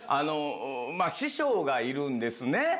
師匠がいるんですね。